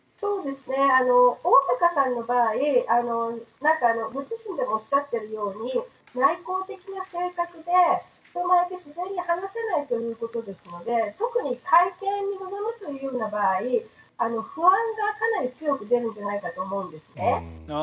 大坂さんの場合ご自身でもおっしゃっているように内向的な性格で、人前で自然に話せないということですので特に会見に臨むという場合不安がかなり強く出るんじゃないかと思うんです。